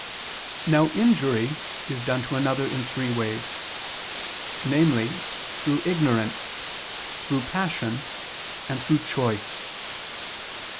Now injury is done to another in three ways: namely, through ignorance, through passion, and through choice.